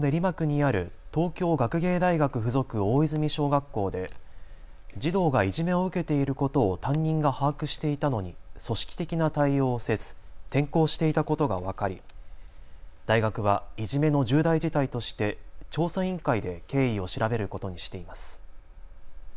練馬区にある東京学芸大学付属大泉小学校で児童がいじめを受けていることを担任が把握していたのに組織的な対応をせず転校していたことが分かり大学はいじめの重大事態として調査委員会で経緯を調べることにしています。